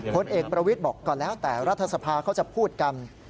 ผลเอกประวิทย์บอกก็แล้วแต่รัฐสภาเขาจะพูดกัน